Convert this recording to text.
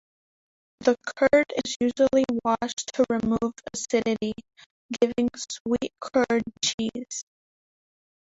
The curd is usually washed to remove acidity, giving sweet curd cheese.